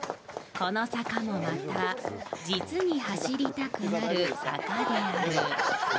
この坂もまた実に走りたくなる坂である。